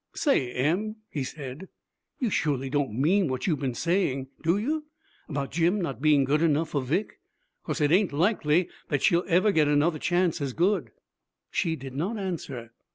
'Say, Em,' he said, 'you surely don't mean what you've been saying, do you, about Jim not being good enough for Vic? 'Cause it ain't likely that she'll ever get another chance as good.' She did not answer.